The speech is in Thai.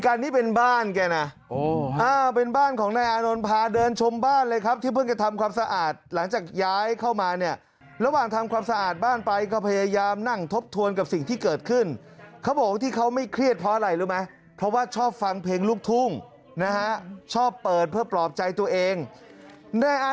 ไม่ก็ดูจากนั้นน่ะดูจากที่พันธุ์ตำรวจตีอะไรที่ให้สัมภาษณ์ที่กองปากที่แถลงการน่ะ